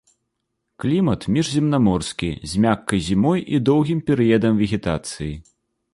Клімат міжземнаморскі з мяккай зімой і доўгім перыядам вегетацыі.